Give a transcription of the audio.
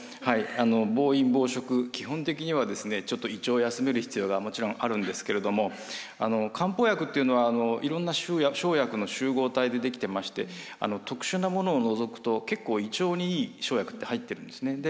暴飲暴食基本的にはですねちょっと胃腸を休める必要がもちろんあるんですけれども漢方薬っていうのはいろんな生薬の集合体で出来てまして特殊なものを除くと結構胃腸にいい生薬って入ってるんですね。